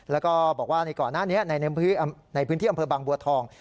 แล้วก็บอกว่าในก่อนหน้านี้ในพื้นที่อำเภอบางบัวทอง